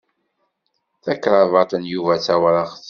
Takrabaṭ n Yuba d tawṛaɣt.